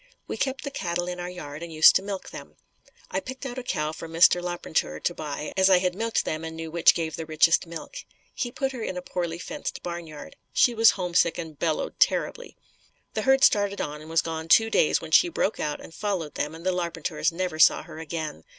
We kept the cattle in our yard and used to milk them. I picked out a cow for Mr. Larpenteur to buy as I had milked them and knew which gave the richest milk. He put her in a poorly fenced barnyard. She was homesick and bellowed terribly. The herd started on and was gone two days when she broke out and followed them and the Larpenteurs never saw her again.